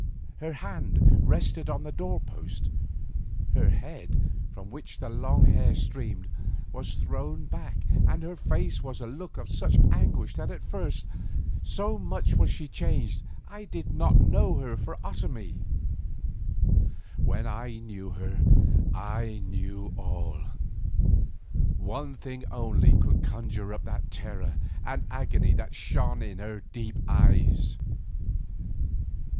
Her hand rested on the doorpost; her head, from which the long hair streamed, was thrown back, and on her face was a look of such anguish that at first, so much was she changed, I did not know her for Otomie. When I knew her, I knew all; one thing only could conjure up the terror and agony that shone in her deep eyes.